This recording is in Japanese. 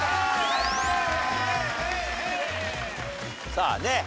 さあね